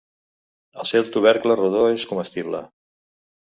El seu tubercle rodó és comestible.